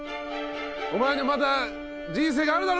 お前にはまだ人生があるだろ。